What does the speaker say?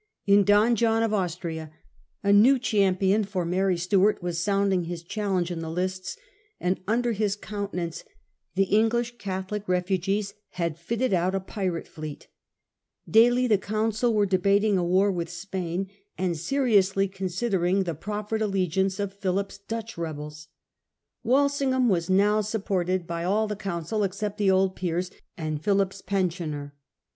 In Don John of Austria a new champion for Mary Stuart was sounding his challenge in the lists, and under his countenance the English Catholic refugees had fitted out a pirate fleet Daily the Council were debating a war with Spain, and seri ously considering the proffered allegiance of Philip's Dutch rebels. Walsingham was now supported by all 4 56 SIR FRANCIS DRAKE chap. the Council except the old peers and Philip's pensioner.